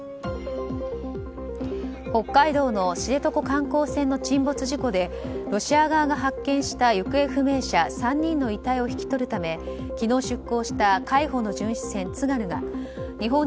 北海道の知床観光船の沈没事故でロシア側が発見した行方不明者３人の遺体を引き取るため昨日出港した海保の巡視船「つがる」が日本